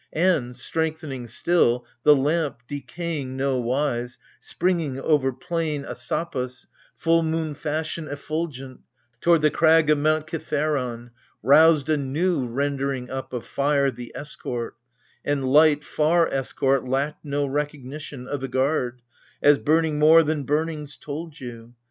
And, strengthening still, the lamp, decaying nowise, Springing o'er Plain Asopos, — full moon fashion Effulgent, — toward the crag of Mount Kithairon, Roused a new rendering up of fire the escort — And light, far escort, lacked no recognition O' the guard — as burning more than burnings told you.